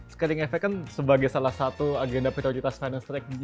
scaring effect kan sebagai salah satu agenda prioritas finance track g dua puluh